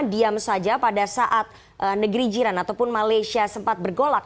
diam saja pada saat negeri jiran ataupun malaysia sempat bergolak